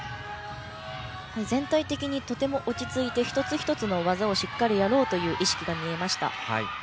全体的にとても落ち着いて一つ一つの技をしっかりやろうという意識が見えました。